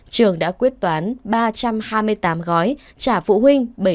trường đã quyết toán ba trăm hai mươi tám gói trả phụ huynh bảy trăm bốn mươi tỷ